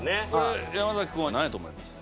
山君は何やと思いますか？